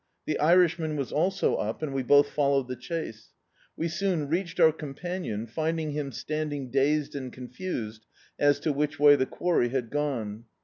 The Irishman was also up, and we both followed the chase. We soon reached our companion, finding him standing dazed and confused as to which way the quarry had gone.